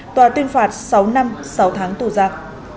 tòa tuyên phạt sáu năm sáu tháng tù giam